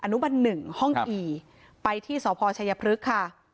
อนุบัน๑ห้องอี่ไปที่สพชัยพฤษ